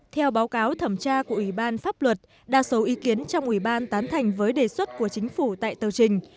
theo báo cáo thẩm tra của ủy ban pháp luật đa số ý kiến trong ủy ban tán thành với đề xuất của chính phủ tại tờ trình